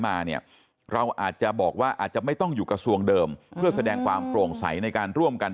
มาเนี่ยเราอาจจะบอกว่าอาจจะไม่ต้องอยู่กระทรวงเดิมเพื่อแสดงความโปร่งใสในการร่วมกัน